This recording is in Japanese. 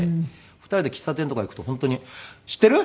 ２人で喫茶店とか行くと本当に「知ってる？